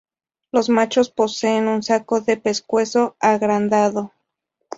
Los machos poseen un saco de pescuezo agrandado.